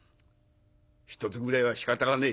１つぐれえはしかたがねえ。